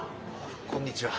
こんにちは。